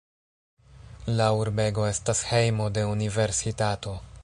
La urbego estas hejmo de universitato.